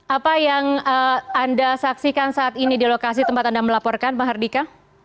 apa yang anda saksikan saat ini di lokasi tempat anda melaporkan pak hardika